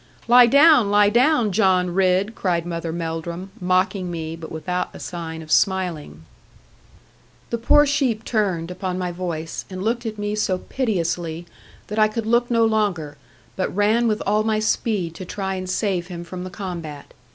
'Lie down, lie down, John Ridd!' cried Mother Melldrum, mocking me, but without a sign of smiling. The poor sheep turned, upon my voice, and looked at me so piteously that I could look no longer; but ran with all my speed to try and save him from the combat.